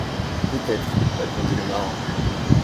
Peut-être, répondit le marin.